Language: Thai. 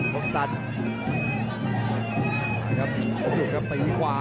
คอมสัตย์ขอบคุณครับตีขวา